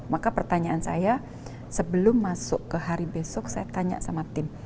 maka pertanyaan saya sebelum masuk ke hari besok saya tanya sama tim